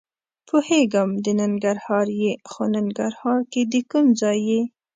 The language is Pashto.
پوهېږم د ننګرهار یې؟ خو ننګرهار کې د کوم ځای یې؟